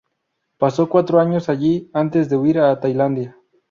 Pasó cuatro años allí antes de huir a Tailandia.